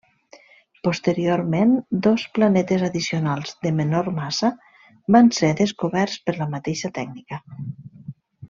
Posteriorment, dos planetes addicionals de menor massa van ser descoberts per la mateixa tècnica.